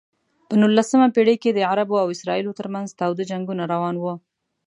په نولسمه پېړۍ کې د عربو او اسرائیلو ترمنځ تاوده جنګونه روان و.